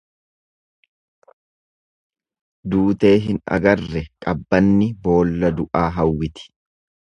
Duutee hin agarre qabbanni boolla du'aa hawwiti.